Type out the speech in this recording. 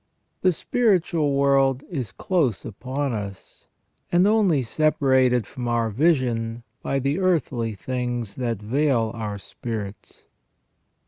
The spiritual world is close upon us, and only separated from our vision by the earthly things that veil our spirits.